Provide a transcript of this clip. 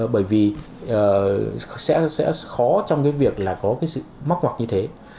bởi vì sẽ khó trong cái việc là có cái sự móc mọc như thế